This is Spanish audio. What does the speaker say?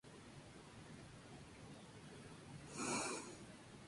La familia de Al-Ramadán en Arabia Saudita fue notificada del tiroteo.